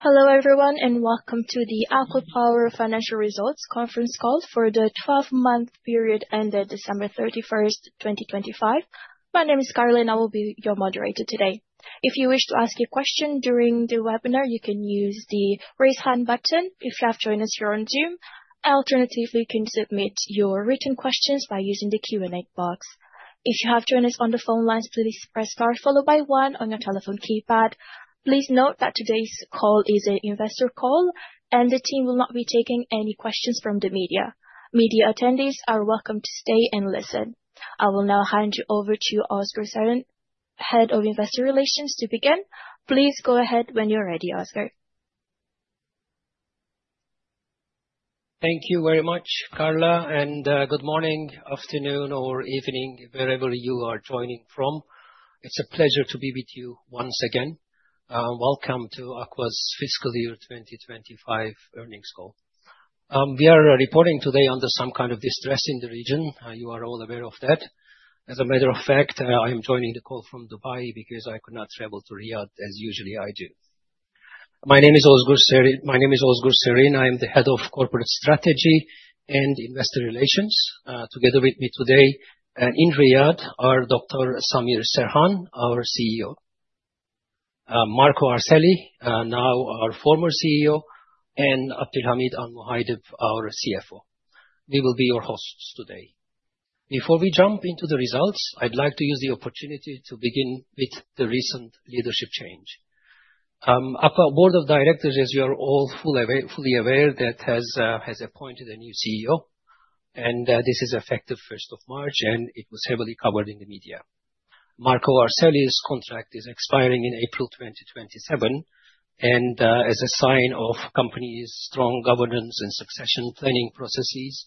Hello everyone, and welcome to the ACWA Power Financial Results Conference Call for the 12-month period ended December 31st, 2025. My name is Carla, and I will be your moderator today. If you wish to ask a question during the webinar, you can use the raise hand button if you have joined us here on Zoom. Alternatively, you can submit your written questions by using the Q&A box. If you have joined us on the phone lines, please press star followed by one on your telephone keypad. Please note that today's call is an investor call, and the team will not be taking any questions from the media. Media attendees are welcome to stay and listen. I will now hand you over to Ozgur Serin, Head of Investor Relations, to begin. Please go ahead when you're ready, Ozgur. Thank you very much, Carla, and good morning, afternoon, or evening wherever you are joining from. It's a pleasure to be with you once again. Welcome to ACWA's fiscal year 2025 earnings call. We are reporting today under some kind of distress in the region. You are all aware of that. As a matter of fact, I am joining the call from Dubai because I could not travel to Riyadh as usually I do. My name is Ozgur Serin. I am the Head of Corporate Strategy and Investor Relations. Together with me today in Riyadh are Dr. Samir Serhan, our CEO, Marco Arcelli, now our former CEO, and Abdulhameed Al-Muhaidib, our CFO. We will be your hosts today. Before we jump into the results, I'd like to use the opportunity to begin with the recent leadership change. ACWA board of directors, as you are all fully aware, has appointed a new CEO, and this is effective 1st of March, and it was heavily covered in the media. Marco Arcelli's contract is expiring in April 2027, and as a sign of company's strong governance and succession planning processes,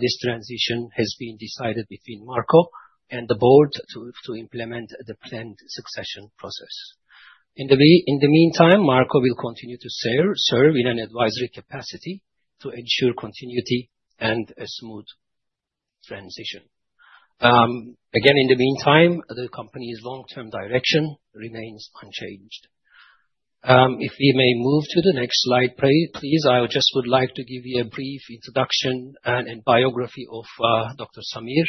this transition has been decided between Marco and the board to implement the planned succession process. In the meantime, Marco will continue to serve in an advisory capacity to ensure continuity and a smooth transition. Again, in the meantime, the company's long-term direction remains unchanged. If we may move to the next slide, please. I just would like to give you a brief introduction and biography of Dr. Samir,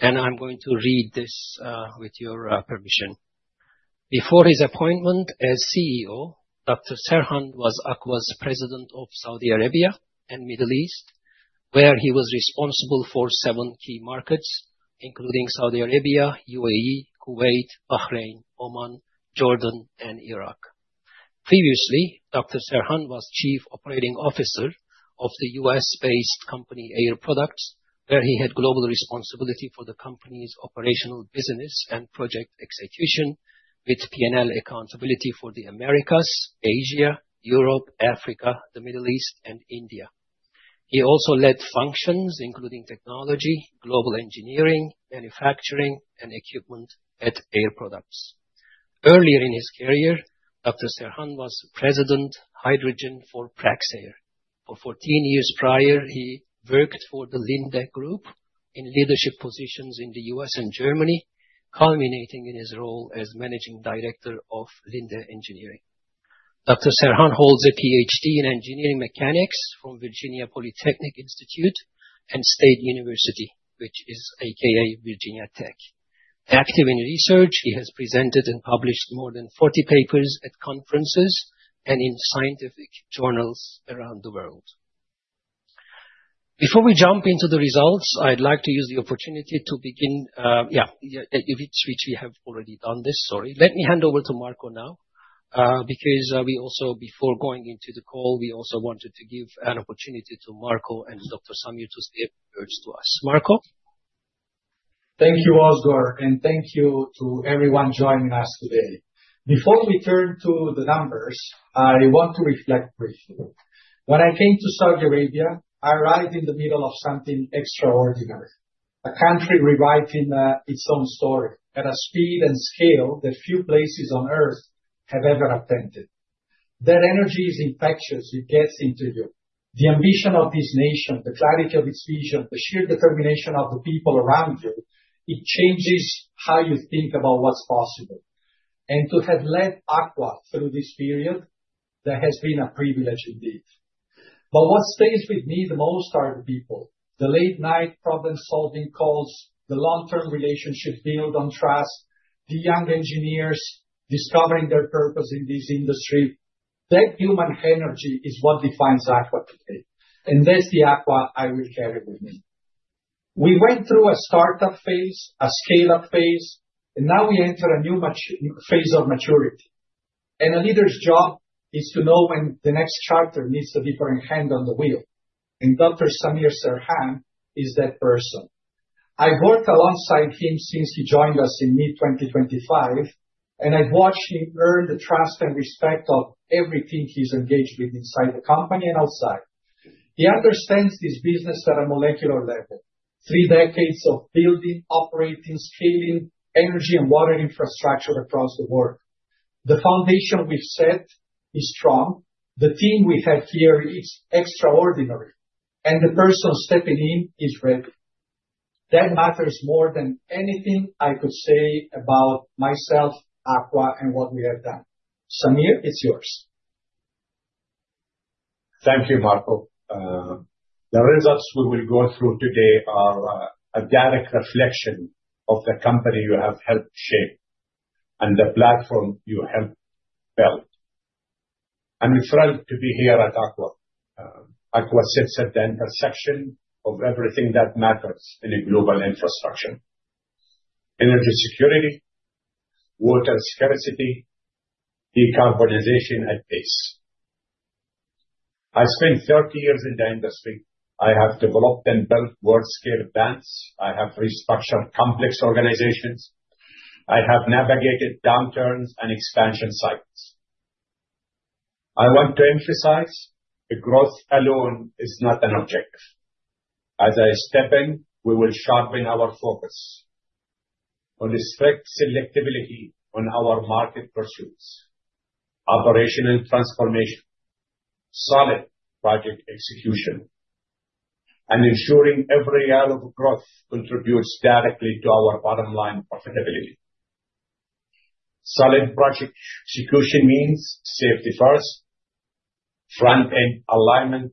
and I'm going to read this with your permission. Before his appointment as CEO, Dr. Serhan was ACWA's President of Saudi Arabia and Middle East, where he was responsible for seven key markets, including Saudi Arabia, UAE, Kuwait, Bahrain, Oman, Jordan, and Iraq. Previously, Dr. Serhan was Chief Operating Officer of the U.S.-based company Air Products, where he had global responsibility for the company's operational business and project execution with P&L accountability for the Americas, Asia, Europe, Africa, the Middle East, and India. He also led functions including technology, global engineering, manufacturing, and equipment at Air Products. Earlier in his career, Dr. Serhan was President, Hydrogen for Praxair. For 14 years prior, he worked for the Linde Group in leadership positions in the U.S. and Germany, culminating in his role as Managing Director of Linde Engineering. Dr. Serhan holds a PhD in Engineering Mechanics from Virginia Polytechnic Institute and State University, which is AKA Virginia Tech. Active in research, he has presented and published more than 40 papers at conferences and in scientific journals around the world. Before we jump into the results, I'd like to use the opportunity to begin. Let me hand over to Marco now, because before going into the call, we also wanted to give an opportunity to Marco and Dr. Samir to say a few words to us. Marco? Thank you, Ozgur, thank you to everyone joining us today. Before we turn to the numbers, I want to reflect briefly. When I came to Saudi Arabia, I arrived in the middle of something extraordinary. A country rewriting its own story at a speed and scale that few places on Earth have ever attempted. That energy is infectious. It gets into you. The ambition of this nation, the clarity of its vision, the sheer determination of the people around you, it changes how you think about what's possible. To have led ACWA through this period, that has been a privilege indeed. What stays with me the most are the people. The late-night problem-solving calls, the long-term relationships built on trust, the young engineers discovering their purpose in this industry. That human energy is what defines ACWA today, that's the ACWA I will carry with me. We went through a startup phase, a scale-up phase, and now we enter a new phase of maturity. A leader's job is to know when the next chapter needs a different hand on the wheel, and Dr. Samir Serhan is that person. I've worked alongside him since he joined us in mid-2025, and I've watched him earn the trust and respect of everything he's engaged with inside the company and outside. He understands this business at a molecular level. Three decades of building, operating, scaling energy and water infrastructure across the world. The foundation we've set is strong. The team we have here is extraordinary. The person stepping in is ready. That matters more than anything I could say about myself, ACWA, and what we have done. Samir, it's yours. Thank you, Marco. The results we will go through today are a direct reflection of the company you have helped shape and the platform you have built. I'm thrilled to be here at ACWA. ACWA sits at the intersection of everything that matters in a global infrastructure: energy security, water scarcity, decarbonization at pace. I spent 30 years in the industry. I have developed and built world-scale plants. I have restructured complex organizations. I have navigated downturns and expansion cycles. I want to emphasize that growth alone is not an objective. As I step in, we will sharpen our focus on strict selectability on our market pursuits, operational transformation, solid project execution, and ensuring every annual growth contributes directly to our bottom line profitability. Solid project execution means safety first, front-end alignment,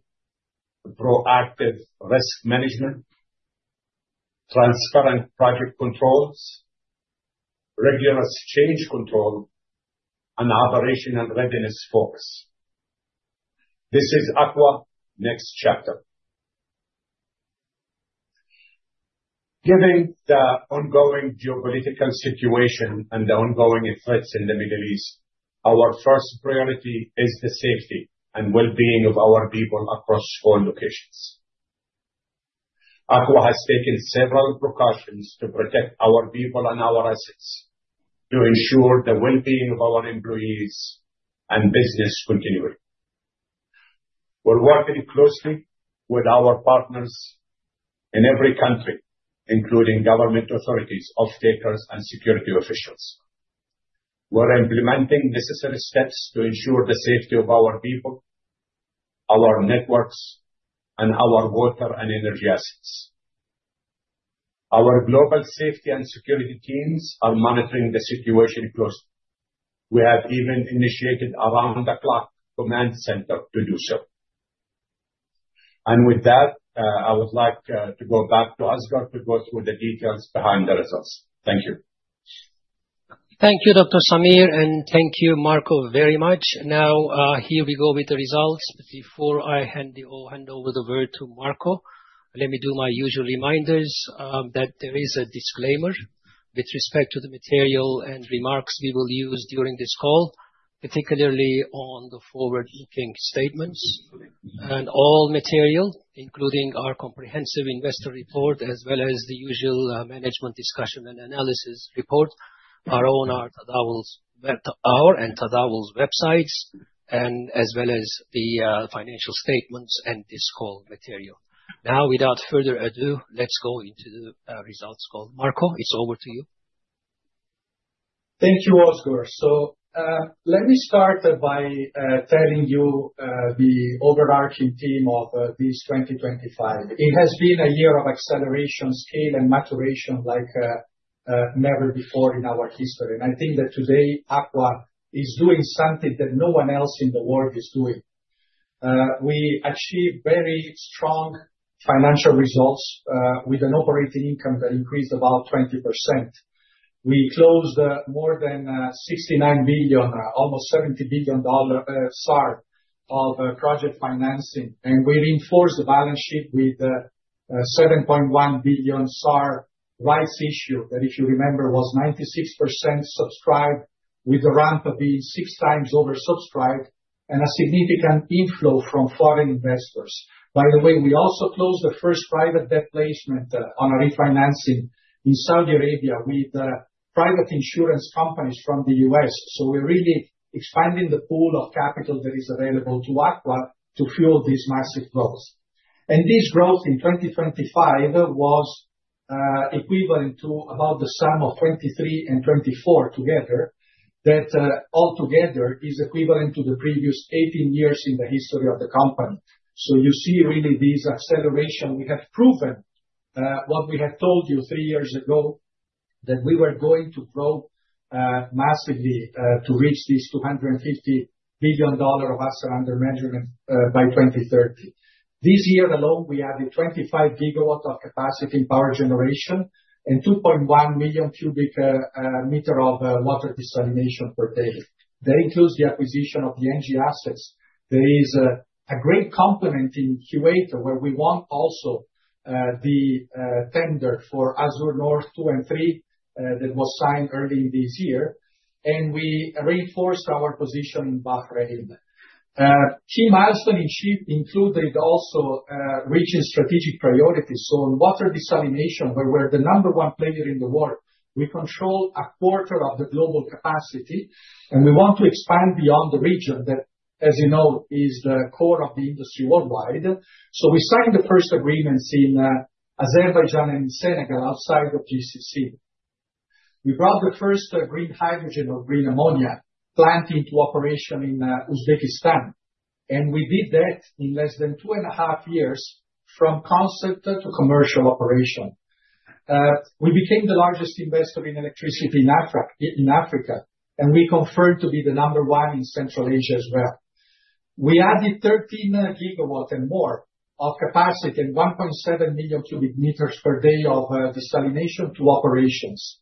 proactive risk management, transparent project controls, rigorous change control, and operational readiness focus. This is ACWA next chapter. Given the ongoing geopolitical situation and the ongoing threats in the Middle East, our first priority is the safety and well-being of our people across all locations. ACWA has taken several precautions to protect our people and our assets to ensure the well-being of our employees and business continuity. We're working closely with our partners in every country, including government authorities, off-takers, and security officials. We're implementing necessary steps to ensure the safety of our people, our networks, and our water and energy assets. Our global safety and security teams are monitoring the situation closely. We have even initiated around the clock command center to do so. With that, I would like to go back to Ozgur to go through the details behind the results. Thank you. Thank you, Dr. Samir, and thank you, Marco, very much. Here we go with the results. Before I hand over the word to Marco, let me do my usual reminders that there is a disclaimer with respect to the material and remarks we will use during this call, particularly on the forward-looking statements and all material, including our comprehensive investor report as well as the usual management discussion and analysis report are on our and Tadawul's websites, and as well as the financial statements and this call material. Without further ado, let's go into the results call. Marco, it's over to you. Thank you, Ozgur. Let me start by telling you the overarching theme of this 2025. It has been a year of acceleration, scale, and maturation like never before in our history. I think that today, ACWA is doing something that no one else in the world is doing. We achieved very strong financial results, with an operating income that increased about 20%. We closed more than 69 billion, almost SAR 70 billion of project financing, and we reinforced the balance sheet with 7.1 billion SAR rights issue that, if you remember, was 96% subscribed with the ramp being six times oversubscribed and a significant inflow from foreign investors. By the way, we also closed the first private debt placement on a refinancing in Saudi Arabia with private insurance companies from the U.S. We're really expanding the pool of capital that is available to ACWA to fuel this massive growth. This growth in 2025 was equivalent to about the sum of 2023 and 2024 together. That altogether is equivalent to the previous 18 years in the history of the company. You see really this acceleration. We have proven what we had told you 3 years ago that we were going to grow massively, to reach this $250 billion of assets under management by 2030. This year alone, we added 25 gigawatts of capacity in power generation and 2.1 million cubic meter of water desalination per day. That includes the acquisition of the ENGIE assets. There is a great complement in Kuwait where we won also the tender for Az-Zour North two and three that was signed early this year. We reinforced our position in Bahrain. Key milestone achieved included also reaching strategic priorities. In water desalination, where we're the number 1 player in the world, we control a quarter of the global capacity. We want to expand beyond the region that, as you know, is the core of the industry worldwide. We signed the first agreements in Azerbaijan and Senegal outside of GCC. We brought the first green hydrogen or green ammonia plant into operation in Uzbekistan. We did that in less than two and a half years from concept to commercial operation. We became the largest investor in electricity in Africa. We confirmed to be the number 1 in Central Asia as well. We added 13 gigawatts and more of capacity and 1.7 million cubic meters per day of desalination to operations.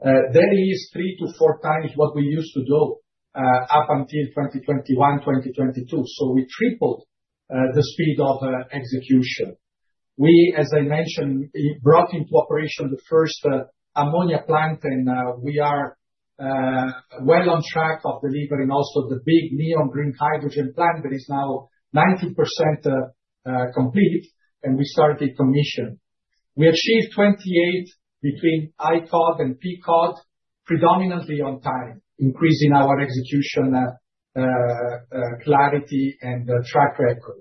That is three to four times what we used to do up until 2021, 2022. We tripled the speed of execution. We, as I mentioned, brought into operation the first ammonia plant. We are well on track of delivering also the big Neom green hydrogen plant that is now 90% complete. We started commission. We achieved 28 between ICOD and PCOD predominantly on time, increasing our execution, clarity and track record.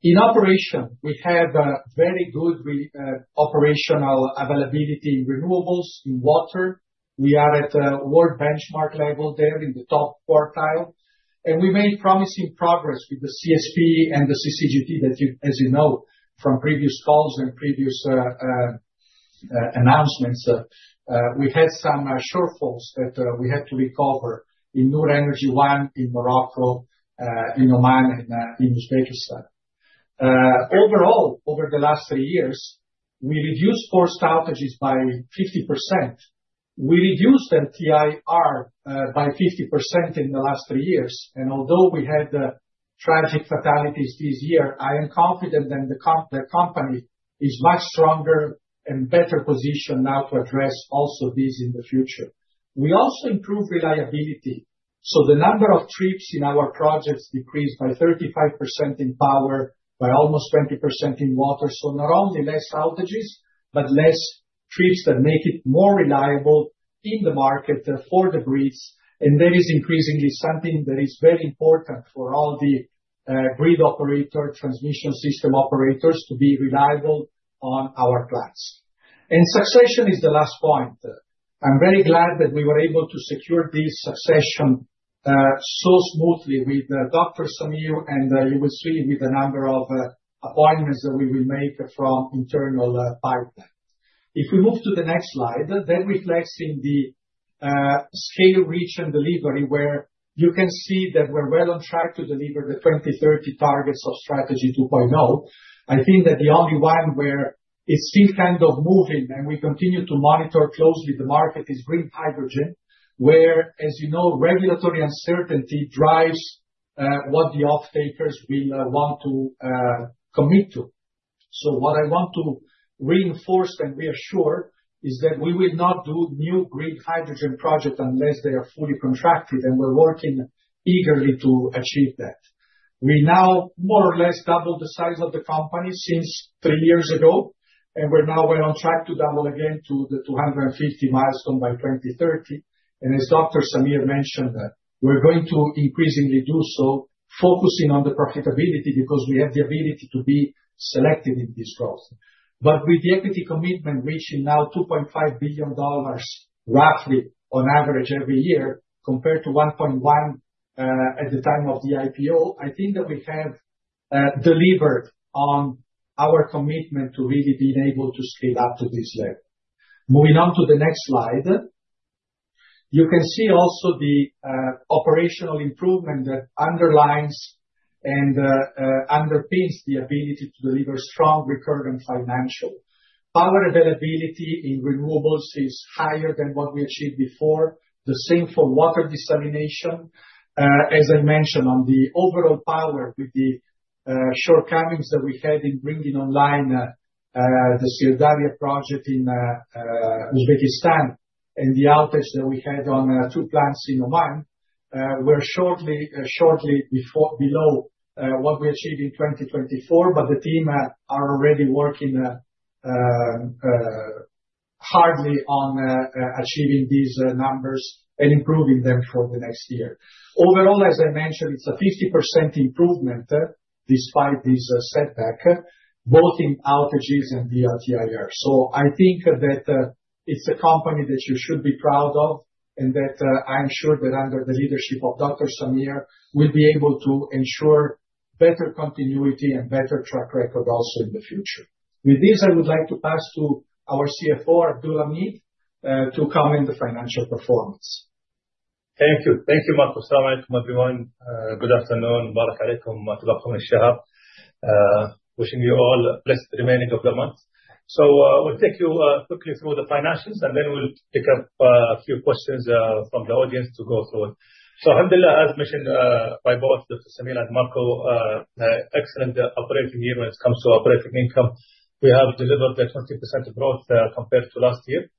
In operation, we have very good operational availability in renewables, in water. We are at world benchmark level there in the top quartile. We made promising progress with the CSP and the CCGT that as you know from previous calls and previous announcements, we had some shortfalls that we had to recover in Noor Energy 1 in Morocco, in Oman and in Uzbekistan. Overall, over the last three years, we reduced forced outages by 50%. We reduced LTIR by 50% in the last three years. Although we had tragic fatalities this year, I am confident that the company is much stronger and better positioned now to address also this in the future. We also improved reliability. The number of trips in our projects decreased by 35% in power, by almost 20% in water. Not only less outages, but less trips that make it more reliable in the market for the grids. That is increasingly something that is very important for all the grid operator, transmission system operators to be reliable on our plants. Succession is the last point. I'm very glad that we were able to secure this succession so smoothly with Dr. Samir. You will see with the number of appointments that we will make from internal pipeline. If we move to the next slide, that reflects in the scale, reach and delivery, where you can see that we're well on track to deliver the 2030 targets of Strategy 2.0. I think that the only one where it's still kind of moving and we continue to monitor closely the market is green hydrogen, where, as you know, regulatory uncertainty drives what the off-takers will want to commit to. What I want to reinforce and reassure is that we will not do new green hydrogen projects unless they are fully contracted, and we are working eagerly to achieve that. We now more or less doubled the size of the company since three years ago, and we are now well on track to double again to the 250 milestone by 2030. As Dr. Samir mentioned, we are going to increasingly do so, focusing on the profitability because we have the ability to be selective in this growth. With the equity commitment reaching now $2.5 billion roughly on average every year compared to $1.1 at the time of the IPO, I think that we have delivered on our commitment to really being able to scale up to this level. Moving on to the next slide. You can see also the operational improvement that underlines and underpins the ability to deliver strong recurrent financial. Power availability in renewables is higher than what we achieved before. The same for water desalination. As I mentioned on the overall power with the shortcomings that we had in bringing online the Syrdarya project in Uzbekistan and the outage that we had on two plants in Oman. We are shortly below what we achieved in 2024, but the team are already working hard on achieving these numbers and improving them for the next year. Overall, as I mentioned, it is a 50% improvement despite this setback, both in outages and the LTIR. I think that it is a company that you should be proud of and that I am sure that under the leadership of Dr. Samir, we will be able to ensure better continuity and better track record also in the future. With this, I would like to pass to our CFO, Abdulhamid, to comment the financial performance. Thank you. Thank you, Marco. Salaam alaikum everyone. Good afternoon. Wishing you all a blessed remaining of the month. I will take you quickly through the financials, and then we will pick up a few questions from the audience to go through. Alhamdulillah as mentioned by both Dr. Samir and Marco, excellent operating year when it comes to operating income. We have delivered a 20% growth compared to last year.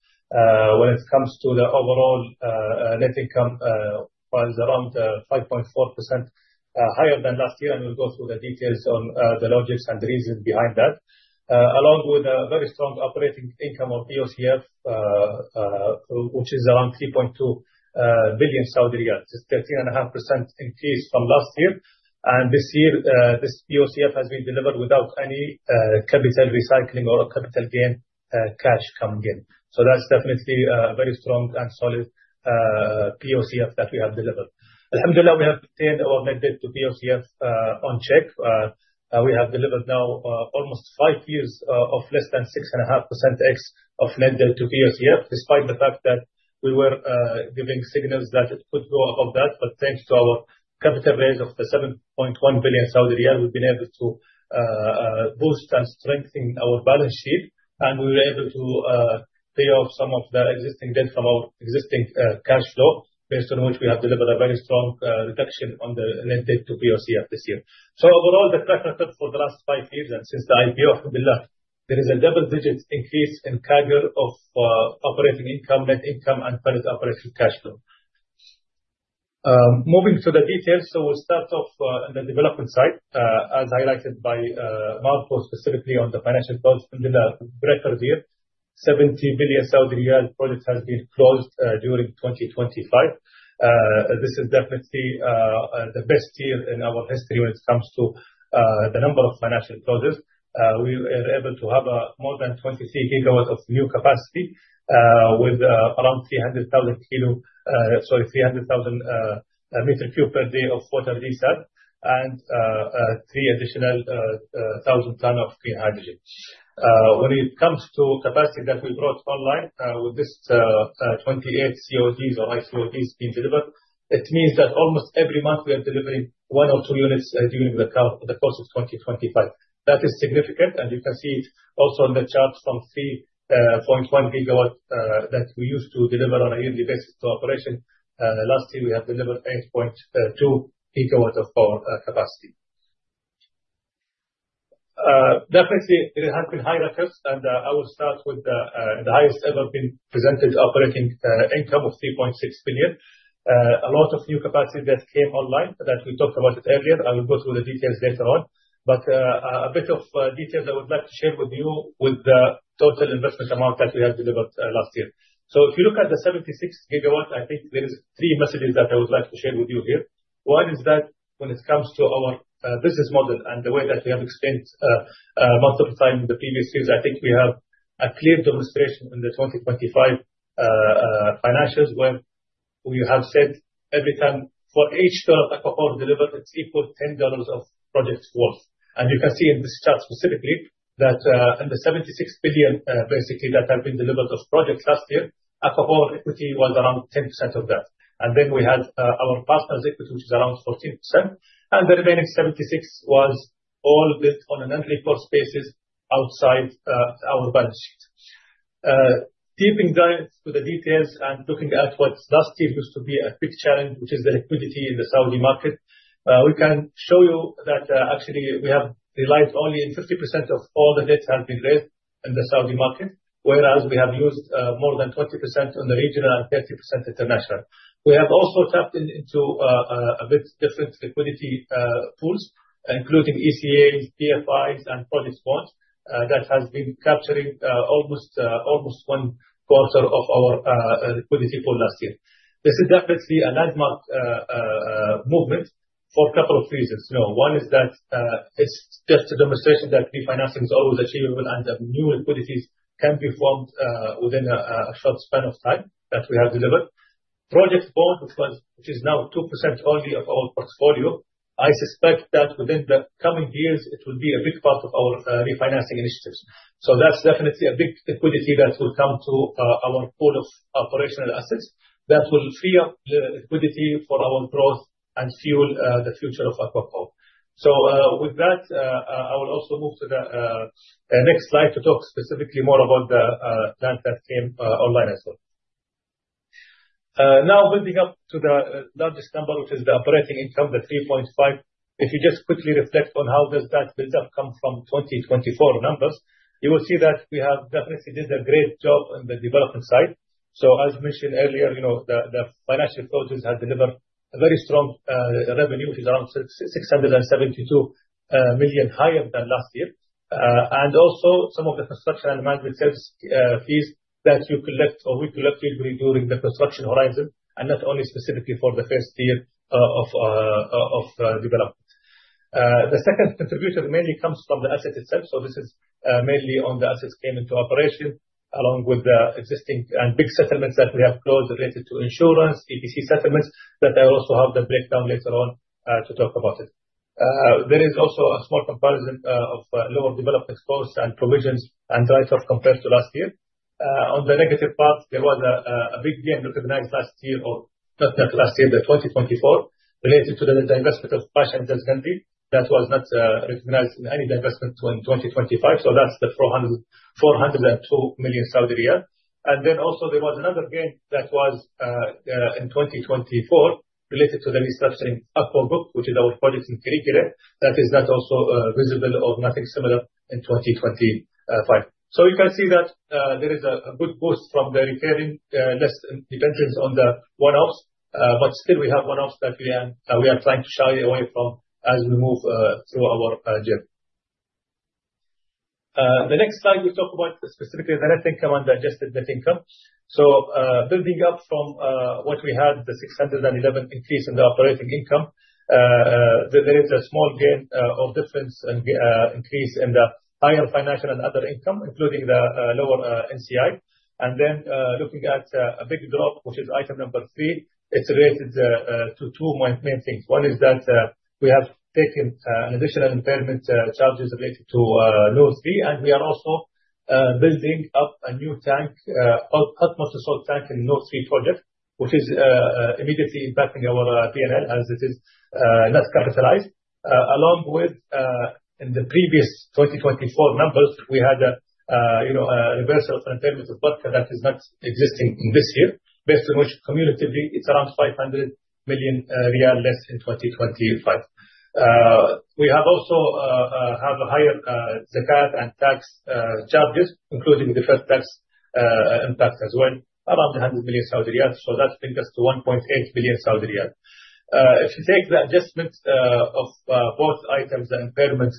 When it comes to the overall net income, it was around 5.4% higher than last year, and we will go through the details on the logics and the reasons behind that. Along with a very strong operating income of PoCF, which is around 3.2 billion Saudi riyal. It is 13.5% increase from last year. This year, this PoCF has been delivered without any capital recycling or capital gain cash coming in. That's definitely a very strong and solid PoCF that we have delivered. Alhamdulillah, we have maintained our net debt to PoCF on check. We have delivered now almost 5 years of less than 6.5% ex of net debt to PoCF, despite the fact that we were giving signals that it could go above that. Thanks to our capital raise of 7.1 billion Saudi riyal, we've been able to boost and strengthen our balance sheet, and we were able to pay off some of the existing debt from our existing cash flow, based on which we have delivered a very strong reduction on the net debt to PoCF this year. Overall, the track record for the last 5 years and since the IPO, Alhamdulillah, there is a double-digit increase in CAGR of operating income, net income, and funded operational cash flow. Moving to the details. We'll start off on the development side. As highlighted by Marco, specifically on the financial close, Alhamdulillah, record year, 70 billion Saudi riyal projects has been closed during 2025. This is definitely the best year in our history when it comes to the number of financial closes. We were able to have more than 23 GW of new capacity, with around 300,000 meter cube per day of water desal, and 3,000 tons of green hydrogen. When it comes to capacity that we brought online with this 28 CODs or light CODs being delivered, it means that almost every month we are delivering 1 or 2 units during the course of 2025. That is significant, and you can see it also on the chart from 3.1 GW that we used to deliver on a yearly basis to operation. Last year, we have delivered 8.2 GW of our capacity. It has been high records, and I will start with the highest ever been presented operating income of 3.6 billion. A lot of new capacity that came online that we talked about it earlier. I will go through the details later on. A bit of detail I would like to share with you with the total investment amount that we have delivered last year. If you look at the 76 GW, I think there is 3 messages that I would like to share with you here. One is that when it comes to our business model and the way that we have explained multiple times in the previous years, I think we have a clear demonstration in the 2025 financials where we have said every time for each USD ACWA Power delivered, it's equal 10 dollars of projects worth. You can see in this chart specifically that in the 76 billion, basically, that have been delivered of projects last year, ACWA Power equity was around 10% of that. We had our partners' equity, which is around 14%, and the remaining 76% was all built on a non-recourse basis outside our balance sheet. Deep diving into the details and looking at what last year used to be a big challenge, which is the liquidity in the Saudi market. We can show you that actually, we have relied only on 50% of all the debts have been raised in the Saudi market, whereas we have used more than 20% on the regional and 30% international. We have also tapped into a bit different liquidity pools, including ECAs, DFIs, and project bonds. That has been capturing almost one quarter of our liquidity pool last year. This is definitely a landmark movement for a couple of reasons. One is that it's just a demonstration that refinancing is always achievable and that new liquidities can be formed within a short span of time that we have delivered. Project bond, which is now 2% only of our portfolio. I suspect that within the coming years, it will be a big part of our refinancing initiatives. That's definitely a big liquidity that will come to our pool of operational assets that will free up the liquidity for our growth and fuel the future of ACWA Power. With that, I will also move to the next slide to talk specifically more about the plants that came online as well. Now building up to the largest number, which is the operating income, the 3.5. If you just quickly reflect on how does that build up come from 2024 numbers, you will see that we have definitely did a great job on the development side. As mentioned earlier, the financial closes have delivered a very strong revenue, which is around 672 million higher than last year. Also some of the construction and management service fees that you collect or we collect usually during the construction horizon and not only specifically for the first year of development. The second contributor mainly comes from the asset itself. This is mainly on the assets came into operation, along with the existing and big settlements that we have closed related to insurance, EPC settlements that I also have the breakdown later on to talk about it. There is also a small comparison of lower development costs and provisions and write-off compared to last year. On the negative part, there was a big gain recognized last year or not last year, the 2024, related to the divestment of Bash & Dzhankeldy that was not recognized in any divestment in 2025. That's the 402 million Saudi riyal. Also there was another gain that was in 2024 related to the restructuring of book, which is our projects in Kirikkale that is not also visible or nothing similar in 2025. You can see that there is a good boost from the recurring less dependence on the one-offs. Still we have one-offs that we are trying to shy away from as we move through our journey. The next slide we talk about specifically the net income and adjusted net income. Building up from what we had, the 611 increase in the operating income, there is a small gain of difference in increase in the higher financial and other income, including the lower NCI. Looking at a big drop, which is item number three, it's related to two main things. One is that we have taken additional impairment charges related to Noor 3, and we are also building up a new molten salt tank in Noor 3 project, which is immediately impacting our PNL as it is not capitalized. Along with in the previous 2024 numbers, we had a reversal from impairment of Barka that is not existing in this year, based on which cumulatively it's around SAR 500 million less in 2025. We have also have higher zakat and tax charges, including deferred tax impact as well, around 100 million Saudi riyals. That brings us to 1.8 billion Saudi riyals. If you take the adjustment of both items and impairments,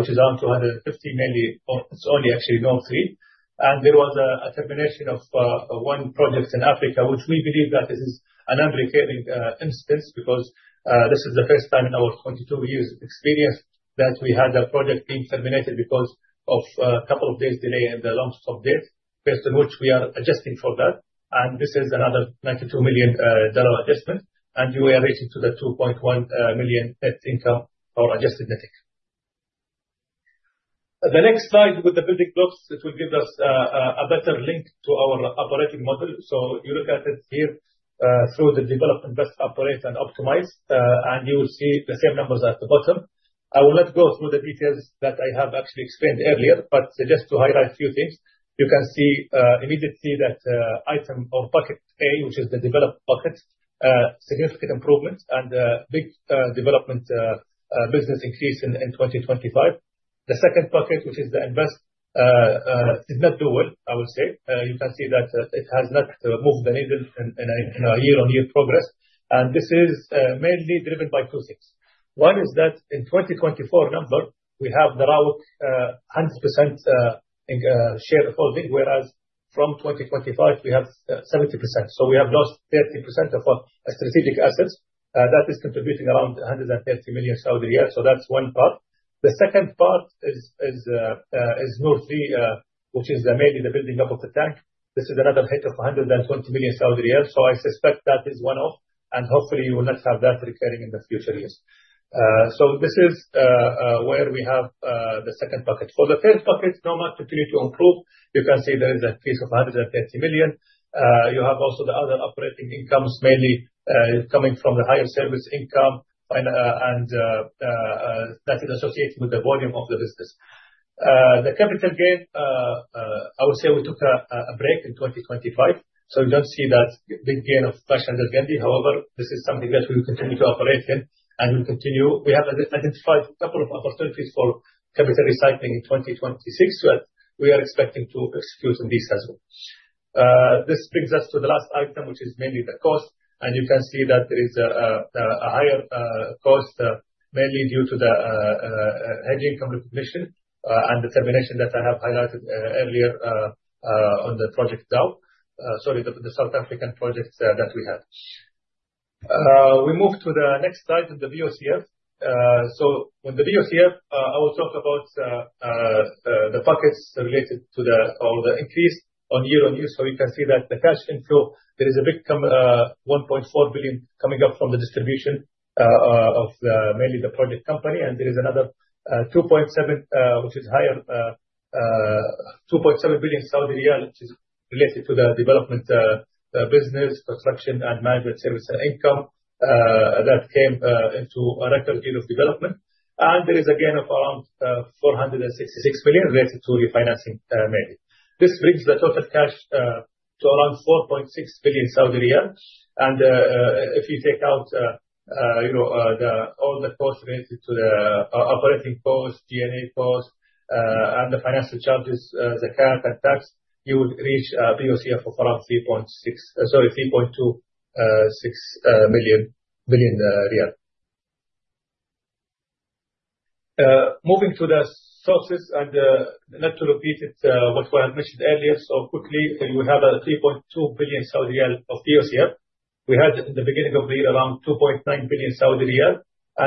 which is around 250 million, it is only actually Noor 3. There was a termination of one project in Africa, which we believe that this is an aberrating instance because this is the first time in our 22 years experience that we had a project being terminated because of a couple of days delay in the lump sum date, based on which we are adjusting for that. This is another $92 million adjustment. You are related to the 2.1 million net income or adjusted net income. The next slide with the building blocks, it will give us a better link to our operating model. You look at it here through the development, best operate and optimize, and you will see the same numbers at the bottom. I will not go through the details that I have actually explained earlier, but just to highlight a few things. You can see immediately that item or bucket A, which is the developed bucket, significant improvement and a big development business increase in 2025. The second bucket, which is the invest, did not do well, I would say. You can see that it has not moved the needle in our year-on-year progress, and this is mainly driven by two things. One is that in 2024 number, we have Darauk 100% shareholding, whereas from 2025 we have 70%. We have lost 30% of our strategic assets. That is contributing around 130 million Saudi riyals. That is one part. The second part is Noor 3, which is mainly the building up of the tank. This is another hit of 120 million Saudi riyals. I suspect that is one-off, and hopefully we will not have that recurring in the future years. This is where we have the second bucket. For the third bucket, normal continue to improve. You can see there is a increase of 130 million. You have also the other operating incomes mainly coming from the higher service income and that is associated with the volume of the business. The capital gain, I would say we took a break in 2025, so you don't see that big gain of cash under GP. However, this is something that we will continue to operate in and we will continue. We have identified a couple of opportunities for capital recycling in 2026 that we are expecting to execute on these as well. This brings us to the last item, which is mainly the cost. You can see that there is a higher cost, mainly due to the hedging recognition and the termination that I have highlighted earlier on the project Dhow. Sorry, the South African projects that we have. We move to the next slide of the POCF. On the POCF, I will talk about the buckets related to the increase on year-on-year. You can see that the cash inflow, there is a big 1.4 billion coming up from the distribution of mainly the project company. There is another 2.7, which is higher, 2.7 billion Saudi riyal, which is related to the development business, construction, and management service and income that came into a record deal of development. There is a gain of around 466 billion related to refinancing mainly. This brings the total cash to around 4.6 billion Saudi riyal. If you take out all the costs related to the operating post, D&A post, and the financial charges, zakat and tax, you would reach POCF of around 3.6, sorry, 3.26 billion riyal. Moving to the sources, not to repeat it what I mentioned earlier, quickly, we have a 3.2 billion Saudi riyal of POCF. We had in the beginning of the year around 2.9 billion Saudi riyal,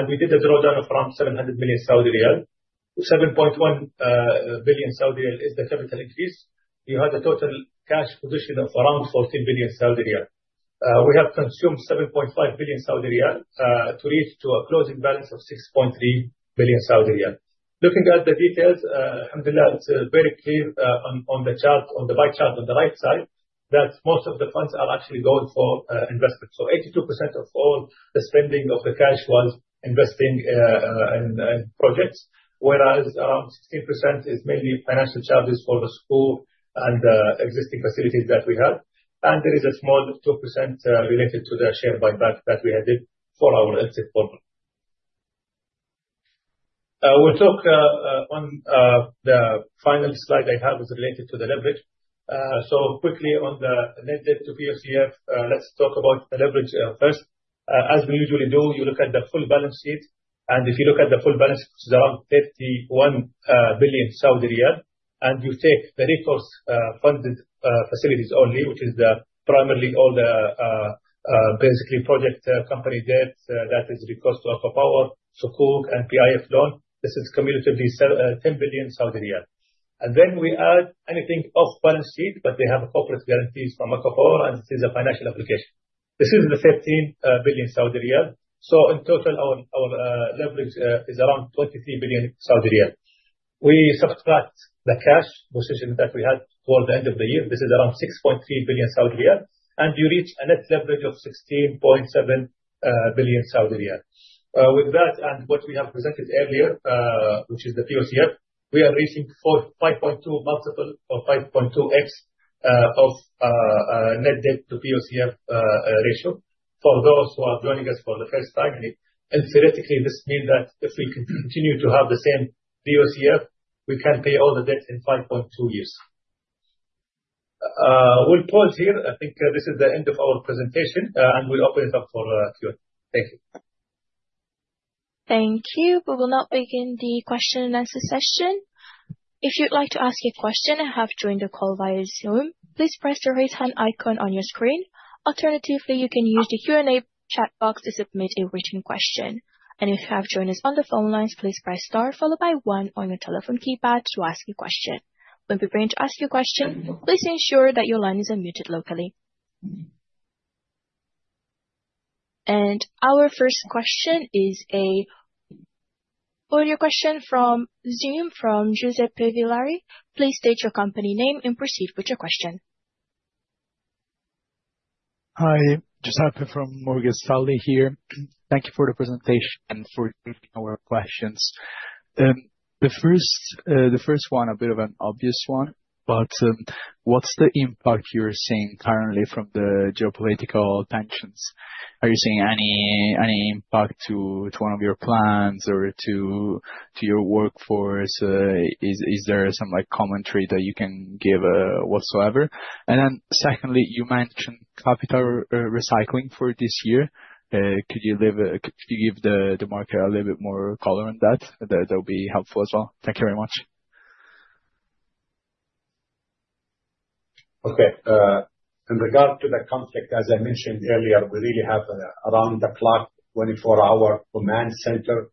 we did a drawdown of around 700 million Saudi riyal. 7.1 billion Saudi riyal is the capital increase. You have a total cash position of around 14 billion Saudi riyal. We have consumed 7.5 billion Saudi riyal, to reach to a closing balance of 6.3 billion Saudi riyal. Looking at the details, hamdullah, it's very clear on the chart, on the bar chart on the right side. That most of the funds are actually going for investment. 82% of all the spending of the cash was investing in projects, whereas around 16% is mainly financial charges for the Sukuk and existing facilities that we have. There is a small 2% related to the share buyback that we had did for our exit program. We'll talk on the final slide I have is related to the leverage. Quickly on the net debt to POCF, let's talk about the leverage first. As we usually do, you look at the full balance sheet. If you look at the full balance sheet, it's around 31 billion Saudi riyal. You take the recourse funded facilities only, which is the primarily all the basically project company debt that is recourse to ACWA Power, Sukuk, and PIF loan. This is cumulatively 10 billion Saudi riyal. Then we add anything off balance sheet, but they have a corporate guarantees from ACWA Power, and this is a financial obligation. This is the 13 billion Saudi riyal. In total, our leverage is around 23 billion Saudi riyal. We subtract the cash position that we had toward the end of the year. This is around 6.3 billion Saudi riyal. You reach a net leverage of 16.7 billion Saudi riyal. With that and what we have presented earlier, which is the POCF, we are reaching 5.2x multiple or 5.2x of net debt to POCF ratio. For those who are joining us for the first time, theoretically, this mean that if we continue to have the same POCF, we can pay all the debt in 5.2 years. We'll pause here. I think this is the end of our presentation. We'll open it up for Q&A. Thank you. Thank you. We will now begin the question and answer session. If you'd like to ask a question and have joined the call via Zoom, please press the Raise Hand icon on your screen. Alternatively, you can use the Q&A chat box to submit a written question. If you have joined us on the phone lines, please press star followed by 1 on your telephone keypad to ask a question. When preparing to ask your question, please ensure that your line is unmuted locally. Our first question is an audio question from Zoom from Giuseppe Villari. Please state your company name and proceed with your question. Hi, Giuseppe from Morgan Stanley here. Thank you for the presentation and for taking our questions. The first one a bit of an obvious one, what's the impact you're seeing currently from the geopolitical tensions? Are you seeing any impact to one of your plants or to your workforce? Is there some commentary that you can give whatsoever? Secondly, you mentioned capital recycling for this year. Could you give the market a little bit more color on that? That'll be helpful as well. Thank you very much. Okay. In regard to the conflict, as I mentioned earlier, we really have around the clock, 24-hour command center,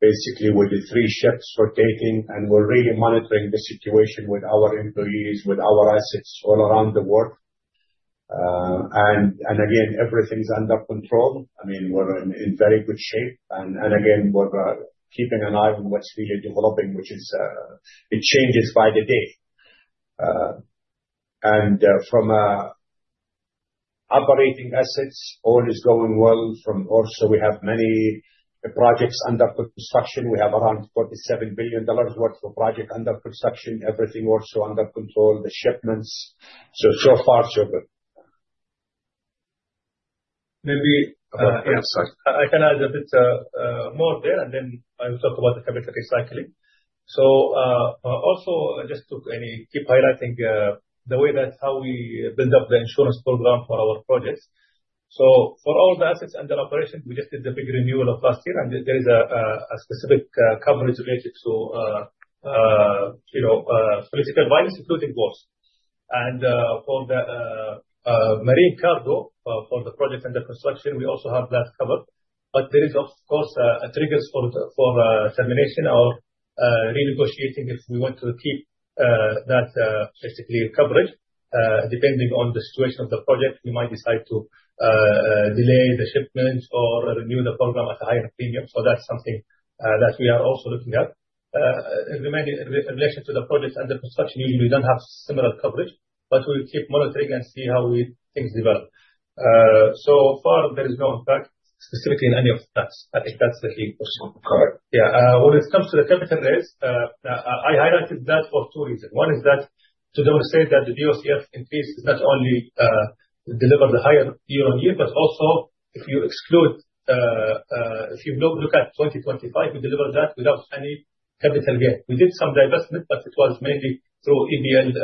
basically, with the 3 shifts rotating, we're really monitoring the situation with our employees, with our assets all around the world. Everything's under control. We're in very good shape. We're keeping an eye on what's really developing, which changes by the day. From operating assets, all is going well. We have many projects under construction. We have around SAR 47 billion worth of projects under construction. Everything also under control, the shipments. So far, so good. Yes. I can add a bit more there, I will talk about the capital recycling. Just to keep highlighting the way that how we build up the insurance program for our projects. For all the assets under operation, we just did the big renewal of last year, there is a specific coverage related to political violence including wars. For the marine cargo for the projects under construction, we also have that covered. There is, of course, triggers for termination or renegotiating if we want to keep that basically coverage. Depending on the situation of the project, we might decide to delay the shipments or renew the program at a higher premium. That's something that we are also looking at. In relation to the projects under construction, usually we don't have similar coverage, we'll keep monitoring and see how things develop. So far, there is no impact specifically in any of that. I think that's the key. Correct. Yeah. When it comes to the capital raise, I highlighted that for 2 reasons. One is that to demonstrate that the POCF increase is not only deliver the higher year-on-year, but also if you look at 2025, we delivered that without any capital gain. We did some divestment, but it was mainly through EBL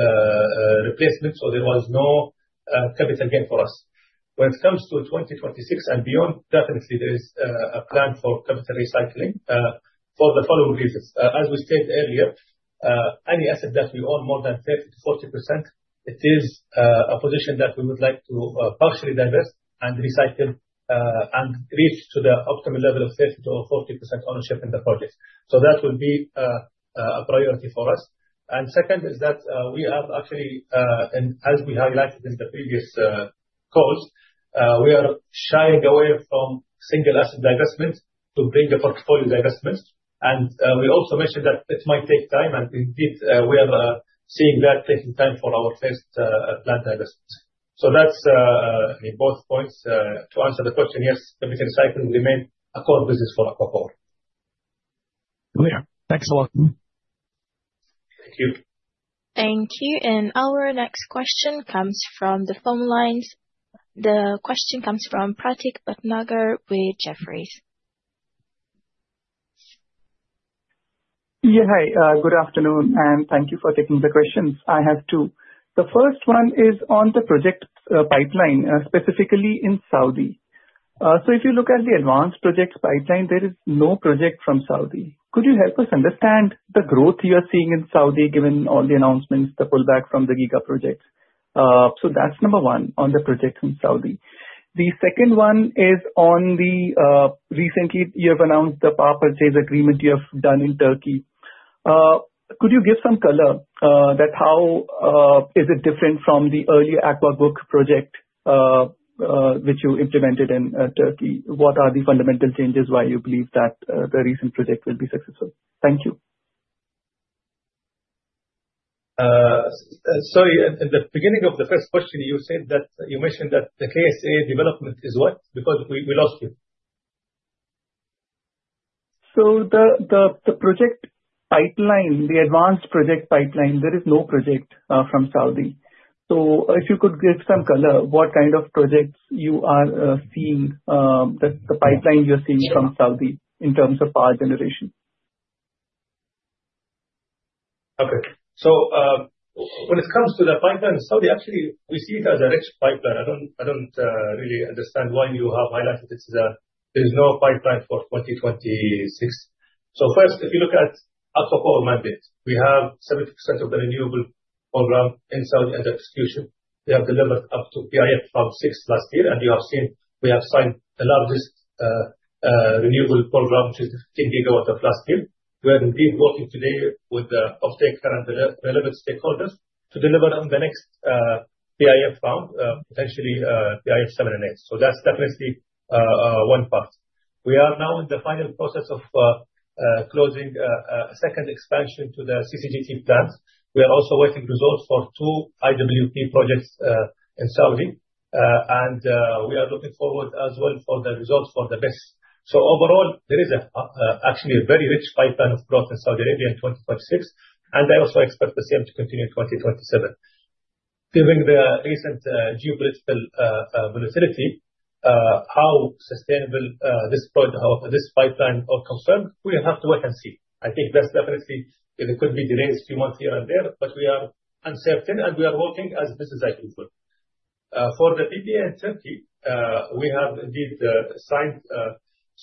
replacement, so there was no capital gain for us. When it comes to 2026 and beyond, definitely there is a plan for capital recycling for the following reasons. As we stated earlier, any asset that we own more than 30%-40%, it is a position that we would like to partially divest and recycle, and reach to the optimum level of 30%-40% ownership in the project. That will be a priority for us. Second is that we have actually, and as we highlighted in the previous calls. We are shying away from single asset divestment to bring a portfolio divestment. We also mentioned that it might take time, and indeed we are seeing that taking time for our first plant divestment. That's both points. To answer the question, yes, the recycling remains a core business for ACWA Power. Clear. Thanks a lot. Thank you. Thank you. Our next question comes from the phone lines. The question comes from Pratik Bhatnagar with Jefferies. Yeah. Hi, good afternoon, and thank you for taking the questions. I have two. The first one is on the project pipeline, specifically in Saudi. If you look at the advanced project pipeline, there is no project from Saudi. Could you help us understand the growth you are seeing in Saudi, given all the announcements, the pullback from the gigaprojects? That's number one on the project in Saudi. The second one is on the, recently you have announced the power purchase agreement you have done in Turkey. Could you give some color that how is it different from the early ACWA Power project which you implemented in Turkey? What are the fundamental changes why you believe that the recent project will be successful? Thank you. Sorry. In the beginning of the first question, you mentioned that the KSA development is what? Because we lost you. The project pipeline, the advanced project pipeline, there is no project from Saudi. If you could give some color, what kind of projects you are seeing, the pipeline you are seeing from Saudi in terms of power generation. When it comes to the pipeline in Saudi, actually, we see it as a rich pipeline. I do not really understand why you have highlighted it that there is no pipeline for 2026. First, if you look at ACWA Power mandate, we have 70% of the renewable program in Saudi under execution. We have delivered up to PIF Round 6 last year, and you have seen we have signed the largest renewable program, which is 15 gigawatts of last year. We are indeed working today with off-takers and relevant stakeholders to deliver on the next PIF round, potentially PIF 7 and 8. That is definitely one part. We are now in the final process of closing a second expansion to the CCGT plant. We are also waiting results for two IWP projects in Saudi. We are looking forward as well for the results for the Barka. Overall, there is actually a very rich pipeline of growth in Saudi Arabia in 2026, and I also expect the same to continue in 2027. Given the recent geopolitical volatility, how sustainable this pipeline are concerned, we have to wait and see. I think that is definitely there could be delays two months here and there, but we are uncertain, and we are working as business as usual.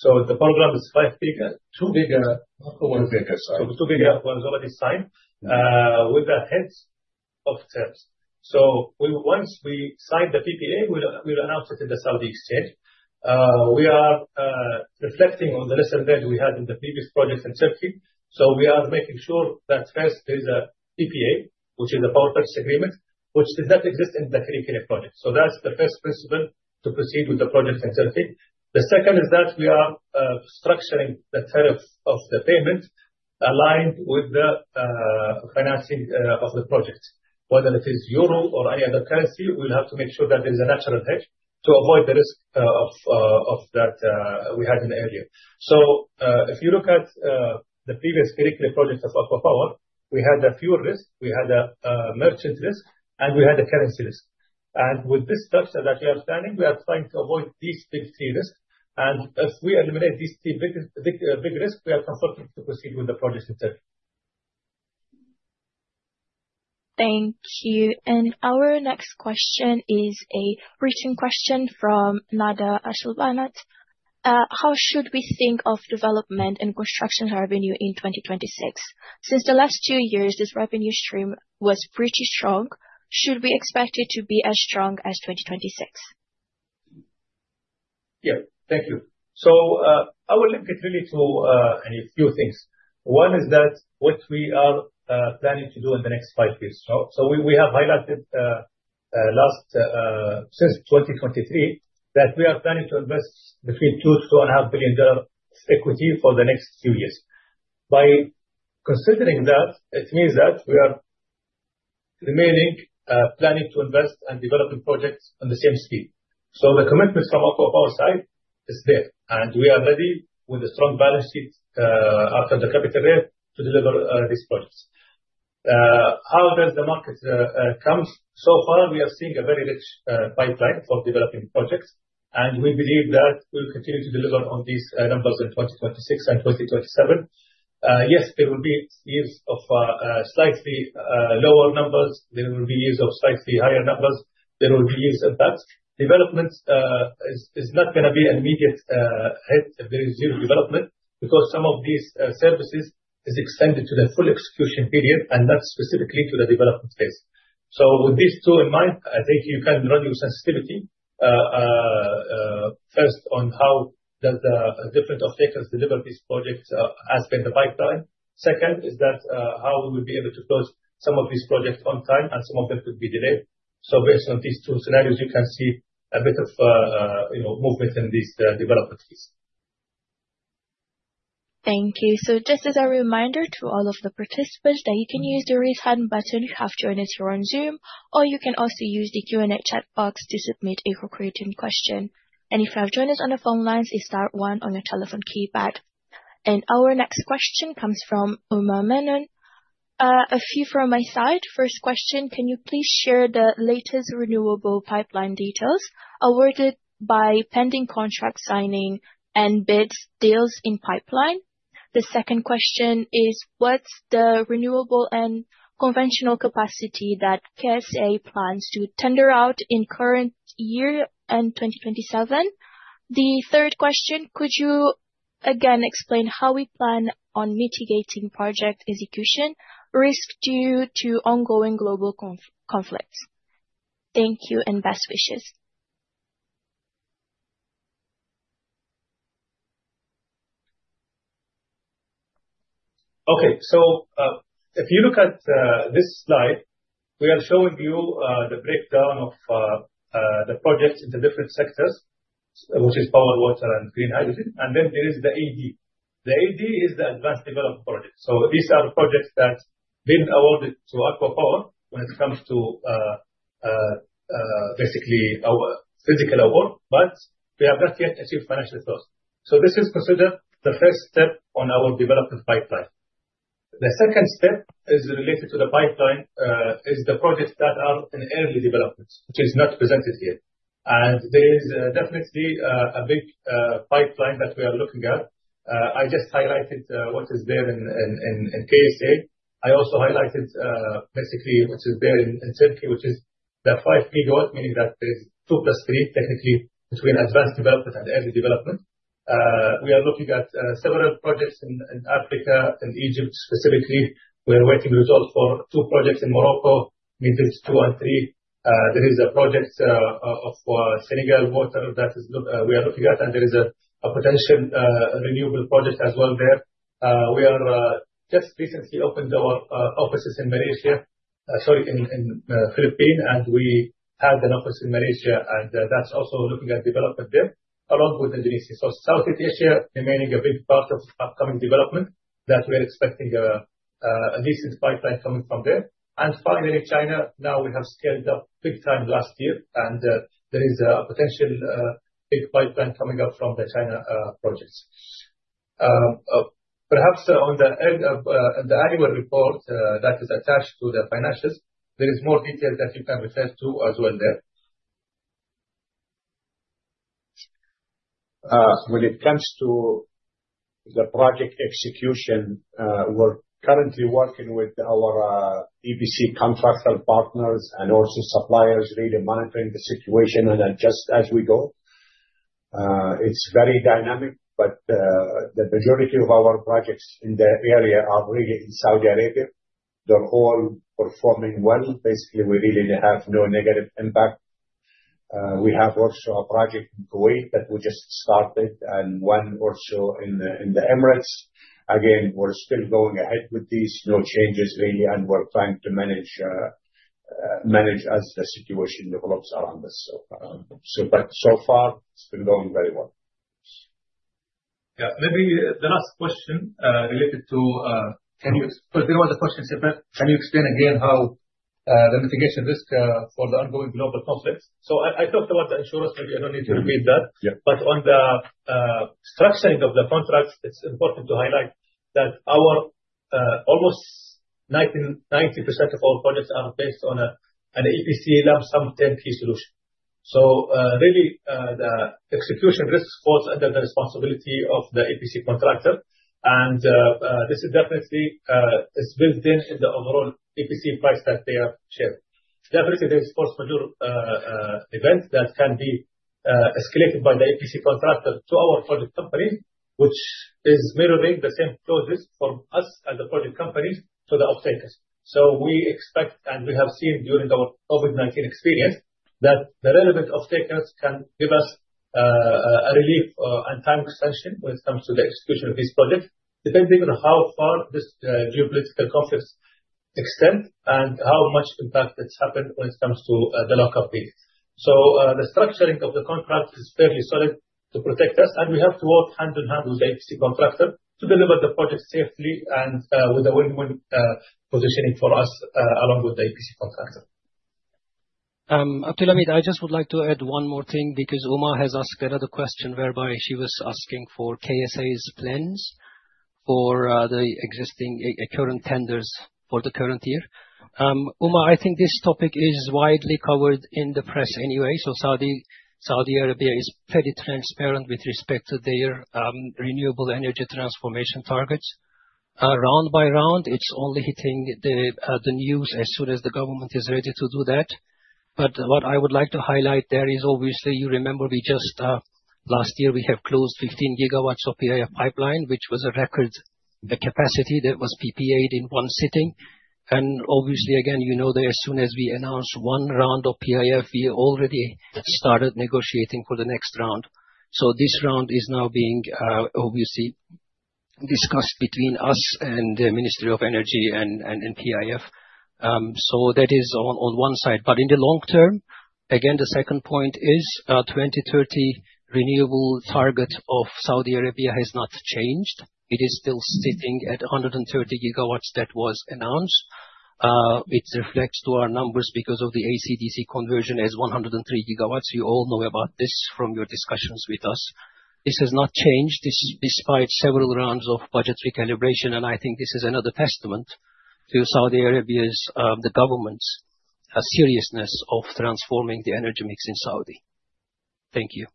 For the PPA in Turkey, we have indeed signed. The program is 5 giga- 2 giga, not 4 gigas. 2 giga. One is already signed with the heads of terms. Once we sign the PPA, we will announce it in the Saudi exchange. We are reflecting on the lesson that we had in the previous project in Turkey. We are making sure that first there is a PPA, which is a power purchase agreement, which did not exist in the Kirikkale project. That is the first principle to proceed with the project in Turkey. The second is that we are structuring the tariff of the payment aligned with the financing of the project. Whether it is EUR or any other currency, we will have to make sure that there is a natural hedge to avoid the risk of that we had in the earlier. If you look at the previous Kirikkale project of ACWA Power, we had a fuel risk, we had a merchant risk, and we had a currency risk. With this structure that we are standing, we are trying to avoid these big three risks. As we eliminate these three big risks, we are confident to proceed with the project in Turkey. Thank you. Our next question is a written question from Nada Al Shalbanat. How should we think of development and construction revenue in 2026? Since the last two years, this revenue stream was pretty strong. Should we expect it to be as strong as 2026? Thank you. I will link it really to a few things. One is that what we are planning to do in the next five years. We have highlighted since 2023 that we are planning to invest between SAR 2 billion to SAR 2.5 billion equity for the next few years. By considering that, it means that we are remaining planning to invest and developing projects on the same speed. The commitment from ACWA Power side is there, and we are ready with a strong balance sheet after the capital raise to deliver these projects. How does the market comes? Far, we are seeing a very rich pipeline for developing projects, and we believe that we'll continue to deliver on these numbers in 2026 and 2027. Yes, there will be years of slightly lower numbers. There will be years of slightly higher numbers. There will be years of that. Development is not going to be an immediate hit if there is zero development because some of these services is extended to the full execution period, and that's specifically to the development phase. With these two in mind, I think you can run your sensitivity, first on how does different off-takers deliver these projects as per the pipeline. Second is that how we will be able to close some of these projects on time and some of them could be delayed. Based on these two scenarios, you can see a bit of movement in these development phase. Thank you. Just as a reminder to all of the participants that you can use the raise hand button if you have joined us here on Zoom, or you can also use the Q&A chat box to submit a written question. If you have joined us on the phone lines, hit star one on your telephone keypad. Our next question comes from Uma Menon. A few from my side. First question, can you please share the latest renewable pipeline details awarded by pending contract signing and bid deals in pipeline? The second question is, what's the renewable and conventional capacity that KSA plans to tender out in current year and 2027? The third question, could you again explain how we plan on mitigating project execution risk due to ongoing global conflicts? Thank you, and best wishes. Okay. If you look at this slide, we are showing you the breakdown of the projects into different sectors, which is power, water, and green hydrogen. Then there is the AD. The AD is the advanced development project. These are projects that been awarded to ACWA Power when it comes to our physical award, we have not yet achieved financial close. This is considered the first step on our development pipeline. The second step is related to the pipeline, is the projects that are in early developments, which is not presented here. There is definitely a big pipeline that we are looking at. I just highlighted what is there in KSA. I also highlighted, which is there in Turkey, which is the 5 GW, meaning that there's two plus three technically between advanced development and early development. We are looking at several projects in Africa and Egypt specifically. We are waiting results for two projects in Morocco, Midelt 2 and 3. There is a project of Senegal water that we are looking at, there is a potential renewable project as well there. We are just recently opened our offices in Malaysia-- Sorry, in Philippines, and we have an office in Malaysia and that's also looking at development there along with Indonesia. Southeast Asia remaining a big part of upcoming development that we are expecting a decent pipeline coming from there. Finally, China, now we have scaled up big time last year, there is a potential big pipeline coming up from the China projects. Perhaps on the end of the annual report that is attached to the financials, there is more detail that you can refer to as well there. When it comes to the project execution, we're currently working with our EPC contractor partners and also suppliers, really monitoring the situation and adjust as we go. It's very dynamic, the majority of our projects in the area are really in Saudi Arabia. They're all performing well. We really have no negative impact. We have also a project in Kuwait that we just started and one also in the Emirates. We're still going ahead with these, no changes really, and we're trying to manage as the situation develops around us. So far it's been going very well. Yeah. Maybe the last question related to. Sorry, what was the question, Sedat? Can you explain again how the mitigation risk for the ongoing global conflicts? I talked about the insurance. Maybe I don't need to repeat that. Yeah. On the structuring of the contracts, it's important to highlight that our almost 90% of our projects are based on an EPC lump sum turnkey solution. Really, the execution risk falls under the responsibility of the EPC contractor. This is definitely is built in in the overall EPC price that they have shared. Definitely, there is force majeure event that can be escalated by the EPC contractor to our project company, which is mirroring the same clauses for us as the project companies to the offtakers. We expect, and we have seen during our COVID-19 experience, that the relevant offtakers can give us a relief and time extension when it comes to the execution of these projects, depending on how far this geopolitical conflicts extend and how much impact it's happened when it comes to the lockup period. The structuring of the contract is fairly solid to protect us, and we have to work hand in hand with the EPC contractor to deliver the project safely and with a win-win positioning for us along with the EPC contractor. Abdulaziz, I just would like to add one more thing because Uma has asked another question whereby she was asking for KSA's plans for the existing current tenders for the current year. Uma, I think this topic is widely covered in the press anyway. Saudi Arabia is pretty transparent with respect to their renewable energy transformation targets. Round by round, it's only hitting the news as soon as the government is ready to do that. What I would like to highlight there is obviously, you remember we just, last year we have closed 15 GW of PIF pipeline, which was a record capacity that was PPA'd in one sitting. Obviously, again, you know that as soon as we announce one round of PIF, we already started negotiating for the next round. This round is now being obviously discussed between us and the Ministry of Energy and PIF. That is on one side. In the long term, again, the second point is our 2030 renewable target of Saudi Arabia has not changed. It is still sitting at 130 GW that was announced. It reflects to our numbers because of the AC/DC conversion is 103 GW. You all know about this from your discussions with us. This has not changed despite several rounds of budget recalibration, and I think this is another testament to Saudi Arabia's, the government's seriousness of transforming the energy mix in Saudi. Thank you.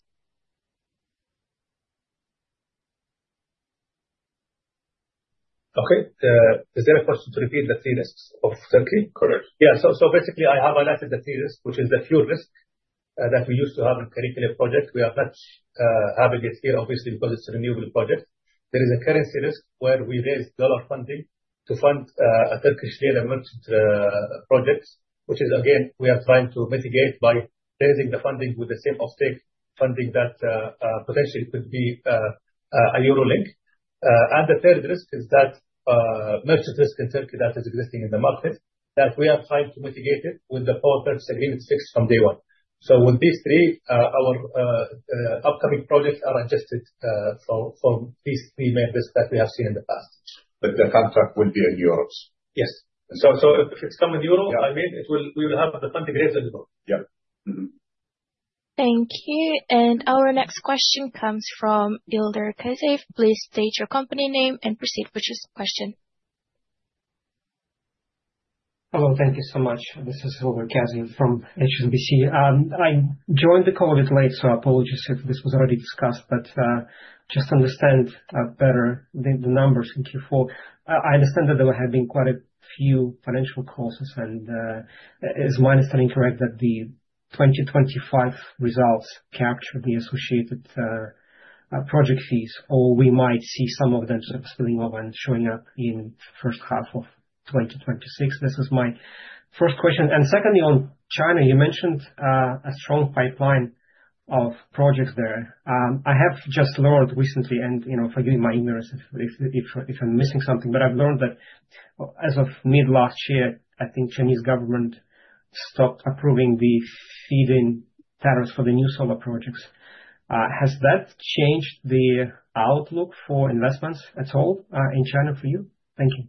Okay. Is there a question to repeat the three lists of Turkey? Correct. I have analyzed the three risks, which is the fuel risk that we used to have on Kirikkale project. We are not having it here obviously because it is a renewable project. There is a currency risk where we raise USD funding to fund a Turkish lira merchant projects, which again, we are trying to mitigate by raising the funding with the same off-stake funding that potentially could be a EUR link. The third risk is that merchant risk in Turkey that is existing in the market, that we are trying to mitigate it with the forward purchasing units fixed from day one. With these three, our upcoming projects are adjusted for these three main risks that we have seen in the past. The contract will be in EUR? Yes. If it comes in EUR. Yeah I mean, we will have the funding raised in EUR. Yeah. Mm-hmm. Thank you. Our next question comes from Ilder Kazev. Please state your company name and proceed with your question. Hello. Thank you so much. This is Ilder Kazev from HSBC. I joined the call a bit late, so apologies if this was already discussed, but just to understand better the numbers in Q4. I understand that there had been quite a few financial costs, and is my understanding correct that the 2025 results capture the associated project fees, or we might see some of them spilling over and showing up in first half of 2026? This is my first question. Secondly, on China, you mentioned a strong pipeline of projects there. I have just learned recently and forgive my ignorance if I'm missing something, but I've learned that as of mid-last year, I think Chinese government stopped approving the feed-in tariffs for the new solar projects. Has that changed the outlook for investments at all in China for you? Thank you.